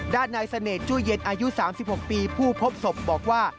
ด้านนายเสน่หจุ้ยเย็นอายุ๓๖ปีผู้พบศพบอกว่า